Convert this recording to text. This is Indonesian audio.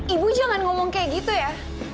ibu jangan ngomong kayak gitu ya